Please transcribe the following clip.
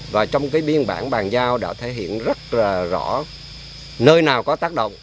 và trong cái biên bản bàn giao đã thể hiện rất rõ nơi nào có tác động